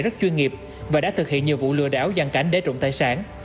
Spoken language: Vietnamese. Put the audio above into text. rất chuyên nghiệp và đã thực hiện nhiều vụ lừa đảo dặn cảnh đế trụng tài sản